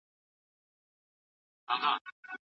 له لرې لاري درملنه څنګه کیږي؟